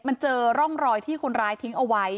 มันเจอร่องรอยที่คนร้ายทิ้งเอาไว้